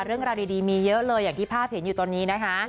เรื่องราวดีมีเยอะเลยอย่างที่ภาพเห็นอยู่ตอนนี้นะคะ